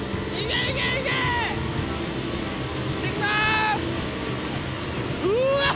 いってきます。